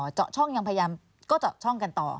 เจาะช่องยังพยายามก็เจาะช่องกันต่อ